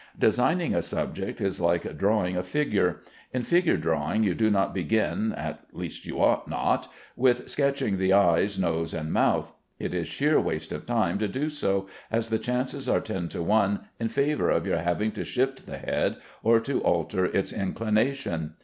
Designing a subject is like drawing a figure. In figure drawing you do not begin (at least you ought not) with sketching the eyes, nose, and mouth. It is sheer waste of time to do so, as the chances are ten to one in favor of your having to shift the head or to alter its inclination.